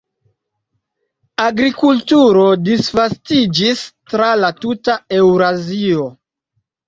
Agrikulturo disvastiĝis tra la tuta Eŭrazio.